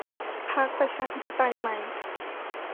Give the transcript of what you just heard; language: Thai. พรรคประชาธิปไตยใหม่